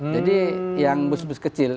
jadi yang bus bus kecil